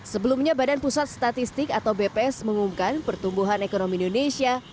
sebelumnya badan pusat statistik atau bps mengumumkan pertumbuhan ekonomi indonesia